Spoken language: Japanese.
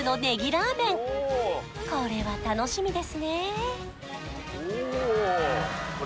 これは楽しみですね